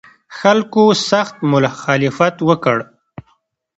خلکو سخت مخالفت وکړ.